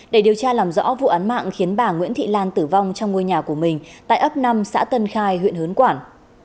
để điều tra làm rõ vụ án mạng khiến bà nguyễn thị lan tử vong trong ngôi nhà của mình tại ấp năm xã tân khai huyện hớn quản